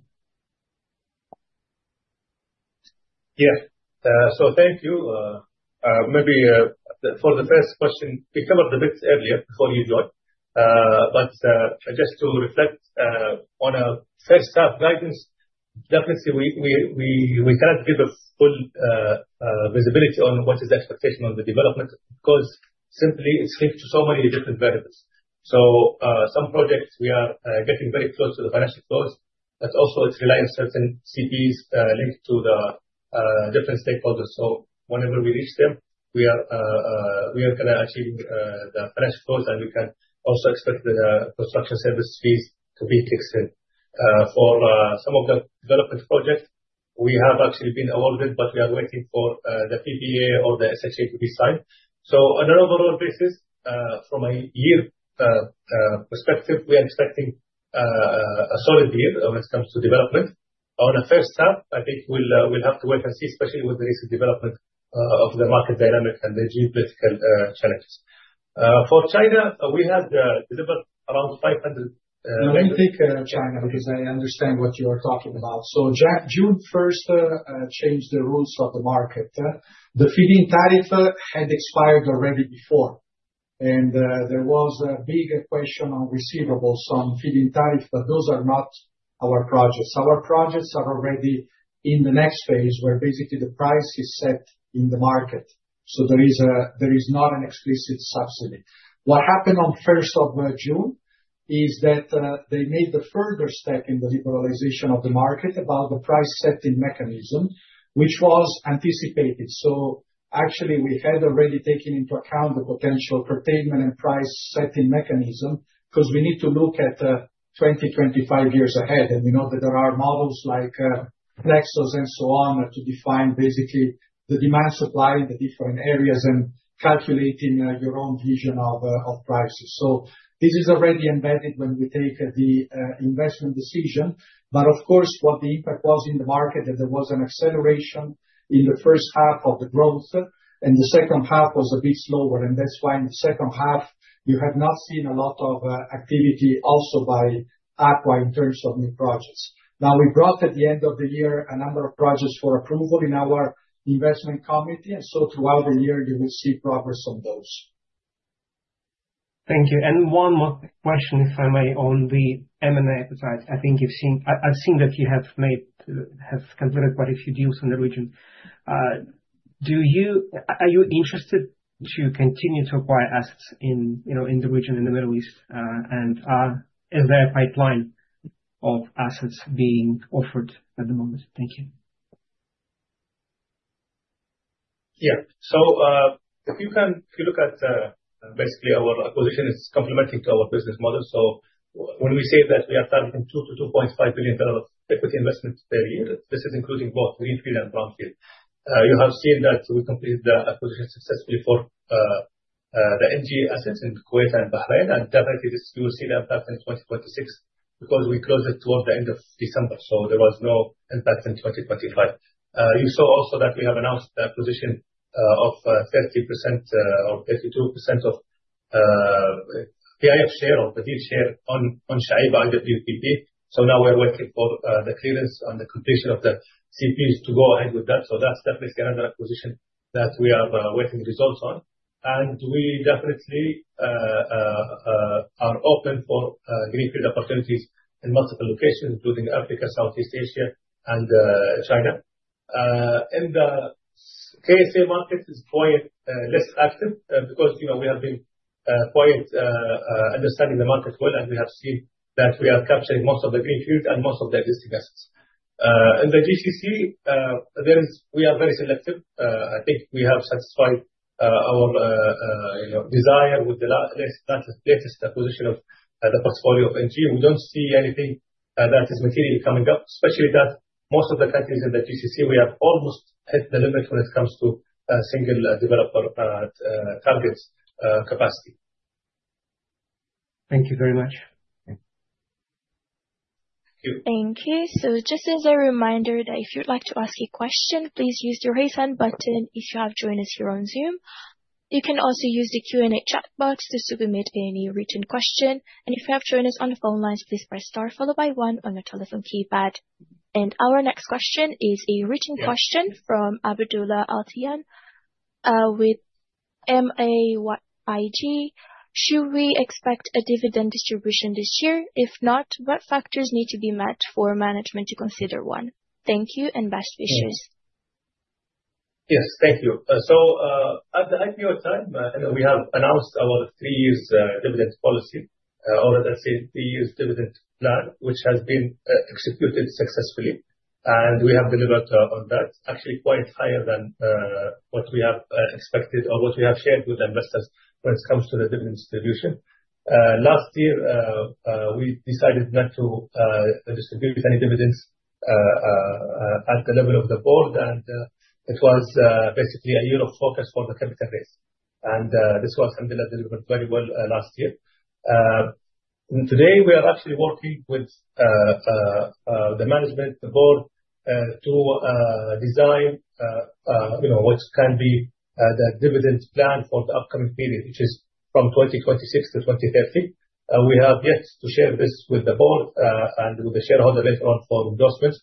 Yeah. Thank you. Maybe for the first question, we covered a bit earlier before you joined. Just to reflect on our first half guidance, definitely we cannot give a full visibility on what is the expectation on the development because simply it's linked to so many different variables. Some projects we are getting very close to the financial close, but also it relies on certain CPs linked to the different stakeholders. Whenever we reach them, we are going to achieve the financial close, we can also expect the construction service fees to be fixed then. For some of the development projects, we have actually been awarded, but we are waiting for the PPA or the SHA to be signed. On an overall basis, from a year perspective, we are expecting a solid year when it comes to development. On the first half, I think we'll have to wait and see, especially with the recent development of the market dynamic and the geopolitical challenges. For China, we had delivered around. Let me take China because I understand what you are talking about. June 1st changed the rules of the market. The feed-in tariff had expired already before, and there was a big question on receivables on feed-in tariff, but those are not our projects. Our projects are already in the next phase, where basically the price is set in the market. There is not an explicit subsidy. What happened on 1st of June is that they made a further step in the liberalization of the market about the price-setting mechanism, which was anticipated. Actually, we had already taken into account the potential curtailment and price-setting mechanism because we need to look at 20, 25 years ahead, and we know that there are models like PLEXOS and so on to define basically the demand supply in the different areas and calculating your own vision of prices. This is already embedded when we take the investment decision. Of course, what the impact was in the market, that there was an acceleration in the first half of the growth, and the second half was a bit slower, and that's why in the second half, you have not seen a lot of activity also by ACWA in terms of new projects. Now, we brought at the end of the year a number of projects for approval in our investment committee, throughout the year, you will see progress on those. Thank you. One more question, if I may, on the M&A side. I've seen that you have completed quite a few deals in the region. Are you interested to continue to acquire assets in the region, in the Middle East? Is there a pipeline of assets being offered at the moment? Thank you. Yeah. If you look at basically our acquisition, it's complementary to our business model. When we say that we are targeting $2 billion-$2.5 billion of equity investments per year, this is including both greenfield and brownfield. You have seen that we completed the acquisition successfully for the ENGIE assets in Kuwait and Bahrain, and definitely this you will see the impact in 2026 because we closed it towards the end of December. There was no impact in 2025. You saw also that we have announced the acquisition of 30% or 32% of we have a huge share on Shuaibah IWPP. Now we're waiting for the clearance on the completion of the CPs to go ahead with that. That's definitely another acquisition that we are waiting results on. We definitely are open for greenfield opportunities in multiple locations, including Africa, Southeast Asia, and China. In the KSA market is quite less active because we have been quite understanding the market well, we have seen that we are capturing most of the greenfield and most of the existing assets. In the GCC, we are very selective. I think we have satisfied our desire with the latest acquisition of the portfolio of ENGIE. We don't see anything that is materially coming up, especially that most of the countries in the GCC, we have almost hit the limit when it comes to single developer targets capacity. Thank you very much. Thank you. Thank you. Just as a reminder that if you'd like to ask a question, please use the raise hand button if you have joined us here on Zoom. You can also use the Q&A chat box to submit any written question. If you have joined us on the phone lines, please press star followed by one on your telephone keypad. Our next question is a written question from Abdullah Al Tiyan with MAYIG. Should we expect a dividend distribution this year? If not, what factors need to be met for management to consider one? Thank you, and best wishes. Yes. Thank you. At the IPO time, we have announced our three years dividend policy, or let's say three years dividend plan, which has been executed successfully, and we have delivered on that. Actually quite higher than what we have expected or what we have shared with investors when it comes to the dividend distribution. Last year, we decided not to distribute any dividends at the level of the board, and it was basically a year of focus for the capital base. This was, alhamdulillah, delivered very well last year. Today we are actually working with the management, the board, to design what can be the dividend plan for the upcoming period, which is from 2026 to 2030. We have yet to share this with the board, with the shareholder later on for endorsements.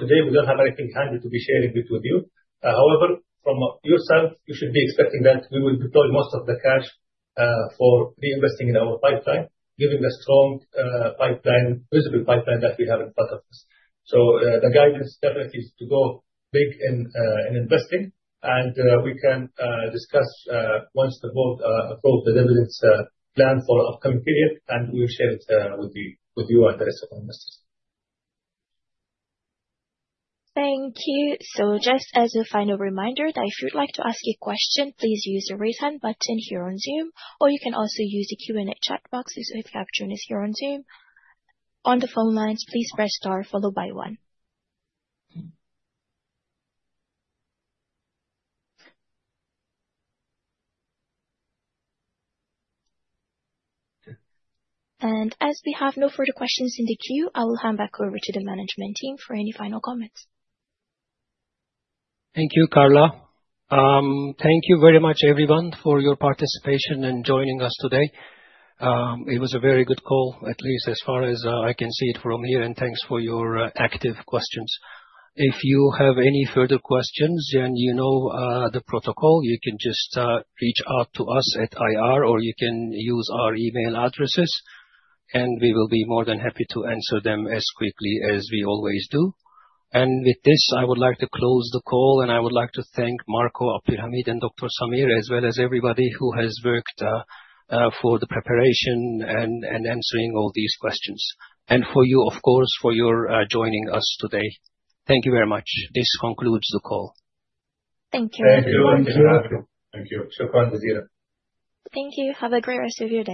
Today, we don't have anything handy to be sharing it with you. However, from your side, you should be expecting that we will deploy most of the cash for reinvesting in our pipeline, giving a strong visible pipeline that we have in front of us. The guidance definitely is to go big in investing, we can discuss once the board approves the dividends plan for the upcoming period, we'll share it with you and the rest of our investors. Thank you. Just as a final reminder that if you'd like to ask a question, please use the raise hand button here on Zoom, or you can also use the Q&A chat box if you have joined us here on Zoom. On the phone lines, please press star followed by one. As we have no further questions in the queue, I will hand back over to the management team for any final comments. Thank you, Carla. Thank you very much, everyone, for your participation and joining us today. It was a very good call, at least as far as I can see it from here, and thanks for your active questions. If you have any further questions, you know the protocol. You can just reach out to us at IR, or you can use our email addresses. We will be more than happy to answer them as quickly as we always do. With this, I would like to close the call. I would like to thank Marco, Abdulhameed, and Dr. Samir, as well as everybody who has worked for the preparation and answering all these questions. For you, of course, for your joining us today. Thank you very much. This concludes the call. Thank you. Thank you. Thank you. Thank you. Thank you. Have a great rest of your day.